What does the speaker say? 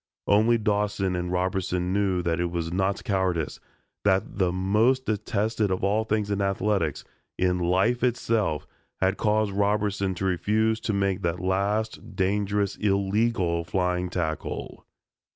Only Dawson and Robertson knew that it was not cowardice, that most detested of all things in athletics, in life itself, had caused Robertson to refuse to make that last dangerous, illegal flying tackle.